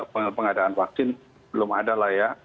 pengadaan vaksin belum ada lah ya